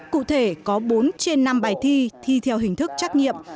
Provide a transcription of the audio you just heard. cụ thể có bốn trên năm bài thi thi theo hình thức trắc nghiệm